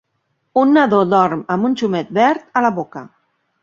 Un nadó dorm amb un xumet verd a la boca.